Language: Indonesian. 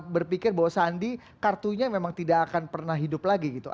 berpikir bahwa sandi kartunya memang tidak akan pernah hidup lagi gitu